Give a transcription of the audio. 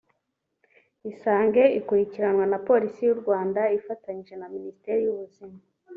Isange ikurikiranwa na Polisi y’u Rwanda ifatanyije na Minisiteri y’Ubuzima